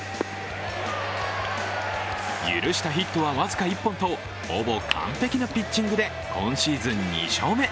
許したヒットは僅か１本とほぼ完璧なピッチングで今シーズン２勝目。